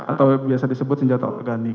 atau biasa disebut senjata organik